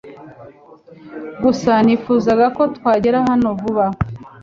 Gusa nifuzaga ko twagera hano vuba